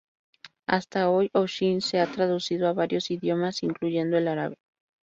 Hasta hoy, "Oshin" se ha traducido a varios idiomas, incluyendo el árabe.